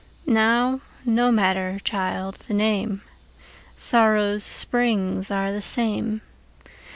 Now no matter, child, the name:Sórrow's spríngs áre the same.